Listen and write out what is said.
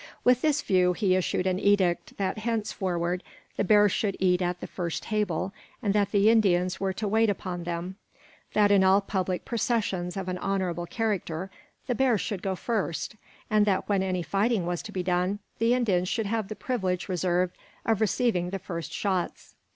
With this view, he issued an edict that henceforward the bears should eat at the first table, and that the Indians were to wait upon them; that in all public processions of an honorable character the bears should go first; and that when any fighting was to be done, the Indians should have the privilege reserved of receiving the first shots.